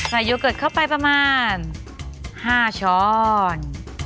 โยเกิร์ตเข้าไปประมาณ๕ช้อน